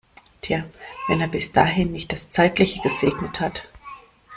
Tja, wenn er bis dahin nicht das Zeitliche gesegnet hat!